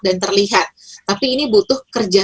dan terlihat tapi ini butuh kerja